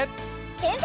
検索！